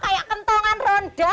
kayak kentongan ronda kamu